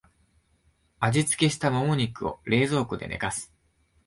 味付けしたモモ肉を冷蔵庫で寝かす